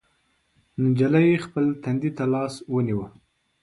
نجلۍ خپل تندي ته لاس ونيو.